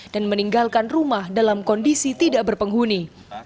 dan meninggalkan rumah dalam kondisi tidak berpenghuni